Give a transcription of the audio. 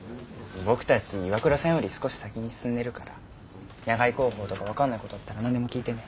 僕たち岩倉さんより少し先に進んでるから野外航法とか分かんないことあったら何でも聞いてね。